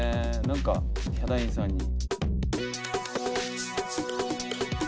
何かヒャダインさんに。